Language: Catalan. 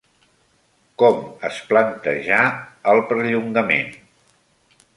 Com es plantejà el perllongament?